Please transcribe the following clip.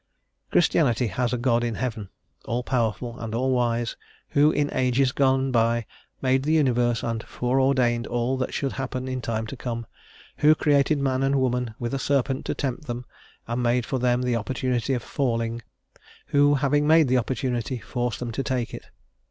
Christianity has a God in heaven, all powerful and all wise, who in ages gone by made the universe and fore ordained all that should happen in time to come; who created man and woman with a serpent to tempt them, and made for them the opportunity of falling; who, having made the opportunity, forced them to take it.